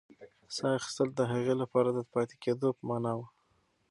ساه اخیستل د هغې لپاره د پاتې کېدو په مانا وه.